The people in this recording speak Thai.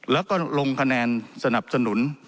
แล้วก็ลงคะแนนสนับสนุน